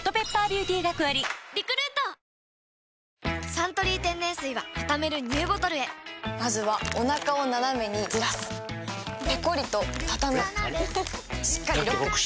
「サントリー天然水」はたためるＮＥＷボトルへまずはおなかをナナメにずらすペコリ！とたたむしっかりロック！